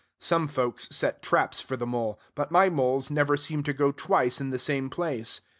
Some folks set traps for the mole; but my moles never seem to go twice in the same place.